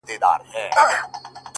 بس ده ه د غزل الف و با مي کړه’